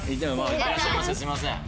いってらっしゃいませすみません。